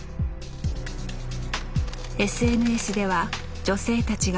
ＳＮＳでは女性たちが＃